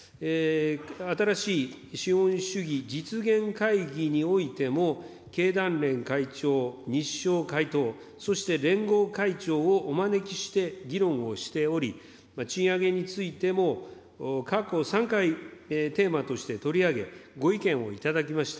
新しい資本主義実現会議においても、経団連会長、日商会頭、そして連合会長をお招きして議論をしており、賃上げについても過去３回、テーマとして取り上げ、ご意見を頂きました。